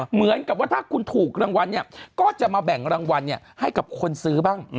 เหมือนกับว่าถ้าคุณถูกก็จะมาแบ่งรางวัลให้กับคนซื้อบ้าง